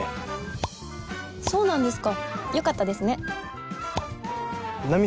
えっそうなんですか？